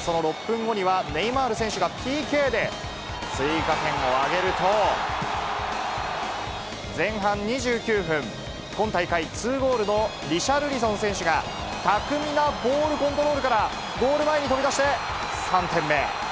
その６分後には、ネイマール選手がＰＫで追加点を挙げると、前半２９分、今大会２ゴールのリシャルリソン選手が巧みなボールコントロールから、ゴール前に飛び出して３点目。